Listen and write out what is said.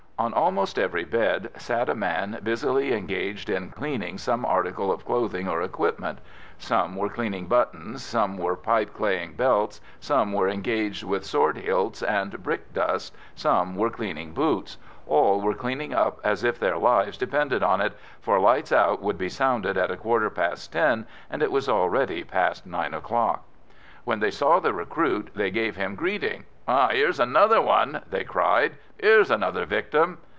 On almost every bed sat a man, busily engaged in cleaning some article of clothing or equipment; some were cleaning buttons, some were pipeclaying belts, some were engaged with sword hilts and brick dust, some were cleaning boots all were cleaning up as if their lives depended on it, for "lights out" would be sounded at a quarter past ten, and it was already past nine o'clock. When they saw the recruit, they gave him greeting. "Here's another one!" they cried. "Here's another victim!"